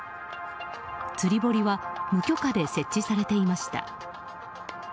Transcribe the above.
釣り堀は無許可で設置されていました。